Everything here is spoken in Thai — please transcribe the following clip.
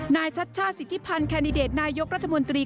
นายชัชช่าศิษฐิพันธ์แคนนิเดตนายกรัฐมนตรี